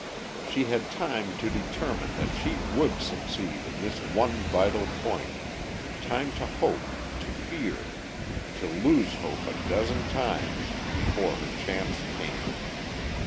She had time to determine that she would succeed in this one vital point, time to hope, to fear, to lose hope a dozen times, before her chance came.